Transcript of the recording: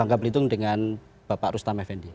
bangka pelitung dengan bapak rustam fnd